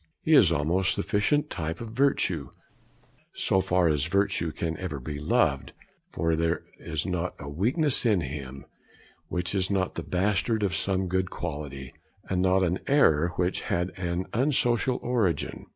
He is almost the sufficient type of virtue, so far as virtue can ever be loved; for there is not a weakness in him which is not the bastard of some good quality, and not an error which had an unsocial origin.